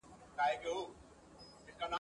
یوه بل ته چي طبیب سي د زاړه پرهار حبیب سي !.